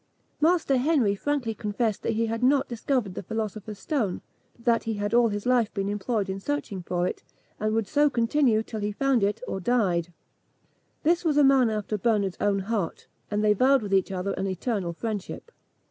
Master Henry frankly confessed that he had not discovered the philosopher's stone, but that he had all his life been employed in searching for it, and would so continue till he found it, or died. This was a man after Bernard's own heart, and they vowed with each other an eternal friendship.